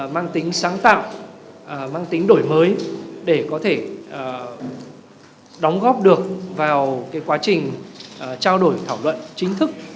mang tính sáng tạo mang tính đổi mới để có thể đóng góp được vào quá trình trao đổi thảo luận chính thức